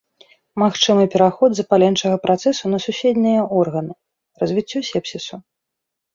Магчымы пераход запаленчага працэсу на суседнія органы, развіццё сепсісу.